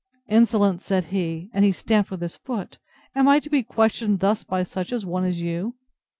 Insolence! said he, and stamped with his foot, am I to be questioned thus by such a one as you?